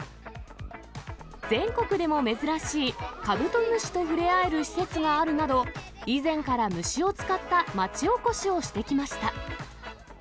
全国でも珍しい、カブトムシと触れ合える施設があるなど、以前から虫を使った町おこしをしてきました。